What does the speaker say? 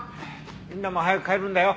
みんなも早く帰るんだよ。